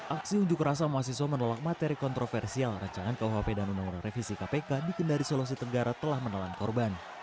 aksi unjuk rasa mahasiswa menolak materi kontroversial rancangan kuhp dan undang undang revisi kpk di kendari sulawesi tenggara telah menelan korban